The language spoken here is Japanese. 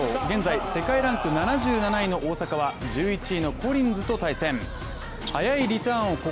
現在、世界ランク７７位の大坂は１１位のコリンズと対戦。